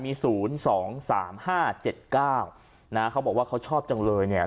มีศูนย์สองสามห้าเจ็ดเก้านะฮะเขาบอกว่าเขาชอบจังเลยเนี้ย